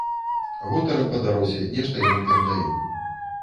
Гутарым па дарозе, нешта яму перадаю.